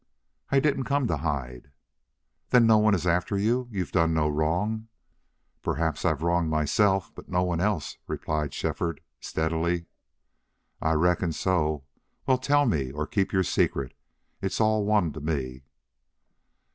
"I didn't come to hide." "Then no one is after you? You've done no wrong?" "Perhaps I wronged myself, but no one else," replied Shefford, steadily. "I reckoned so. Well, tell me, or keep your secret it's all one to me."